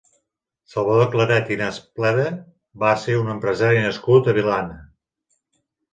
Salvador Claret i Naspleda va ser un empresari nascut a Vilanna.